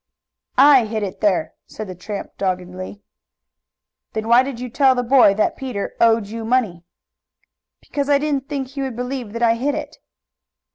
"I hid it there!" said the tramp doggedly. "Then why did you tell the boy that Peter owed you money?" "Because I didn't think he would believe that I hid it."